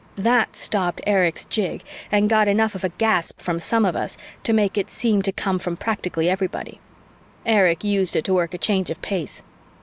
That stopped Erich's jig and got enough of a gasp from some of us to make it seem to come from practically everybody. Erich used it to work a change of pace.